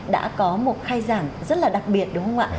đã có một khai giảng rất là đặc biệt đúng không ạ